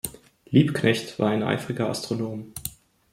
Liebknecht war ein eifriger Astronom.